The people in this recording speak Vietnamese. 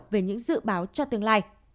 về những dự báo cho tương lai